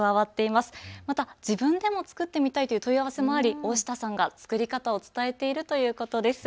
また自分でも作ってみたいという問い合わせもあり大下さんが作り方を伝えているということです。